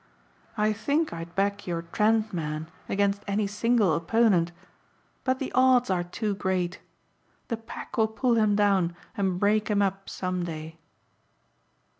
I think I'd back your Trent man against any single opponent, but the odds are too great. The pack will pull him down and break him up some day."